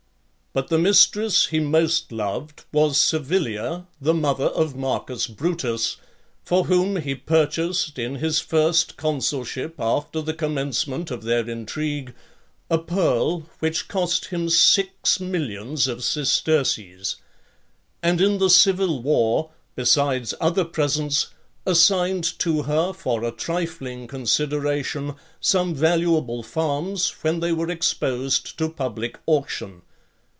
But the mistress he most loved, was Servilia, the mother of Marcus Brutus, for whom he purchased, in his first consulship after the commencement of their intrigue, a pearl which cost him six millions of sesterces; and in the civil war, besides other presents, assigned to her, for a trifling consideration, some valuable farms when they were exposed to public auction.